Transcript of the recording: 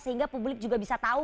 sehingga publik juga bisa tahu